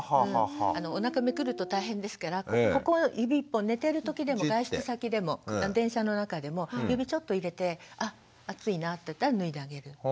おなかめくると大変ですからここ指１本寝てる時でも外出先でも電車の中でも指ちょっと入れてあ暑いなっていったら脱いであげる。